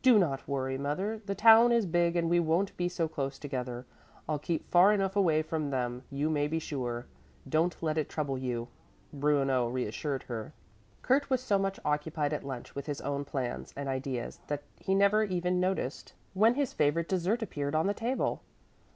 "Do not worry, mother, the town is big and we won't be so close together. I'll keep far enough away from them, you may be sure. Don't let it trouble you," Bruno reassured her. Kurt was so much occupied at lunch with his own plans and ideas that he never even noticed when his favorite dessert appeared on the table.